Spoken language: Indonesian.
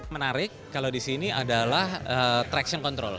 menarik kalau di sini adalah traction control